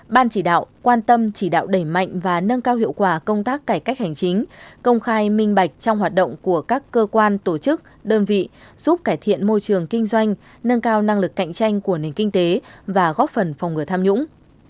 ban chỉ đạo quan tâm chỉ đạo đẩy mạnh và nâng cao hiệu quả công tác cải cách hành chính công khai minh bạch trong hoạt động của các cơ quan tổ chức đơn vị giúp cải thiện môi trường kinh doanh nâng cao năng lực cạnh tranh của nền kinh tế và góp phần phòng ngừa tham nhũng